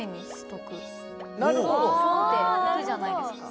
ポンッていくじゃないですか？